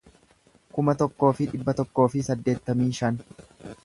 kuma tokkoo fi dhibba tokkoo fi saddeettamii tokko